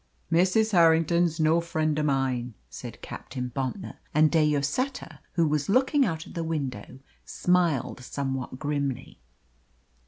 "Mrs. Harrington's no friend of mine," said Captain Bontnor; and De Lloseta, who was looking out of the window, smiled somewhat grimly.